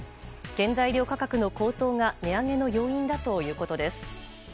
原材料価格の高騰が値上げの要因だということです。